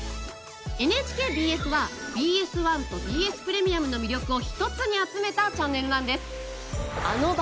ＮＨＫＢＳはＢＳ１とＢＳプレミアムの魅力を一つに集めたチャンネルなんです。